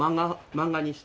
漫画にして。